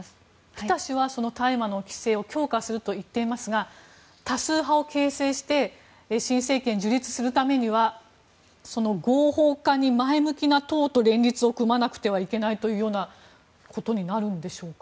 ピタ氏は大麻の規制を強化するといっていますが多数派を形成して新政権を樹立するためには合法化に前向きな党と連立を組まなくてはいけないということになるんでしょうか。